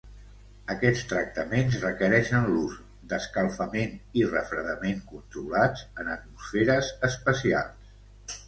Aquests tractaments requereixen l'ús d'escalfament i refredament controlats en atmosferes especials.